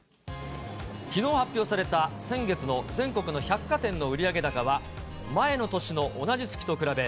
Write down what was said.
きのう発表された先月の全国の百貨店の売上高は、前の年の同じ月と比べ、